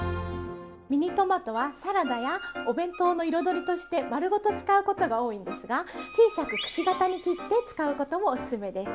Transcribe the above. ミニトマトはサラダやお弁当の彩りとして丸ごと使うことが多いんですが小さくくし形に切って使うこともおすすめです。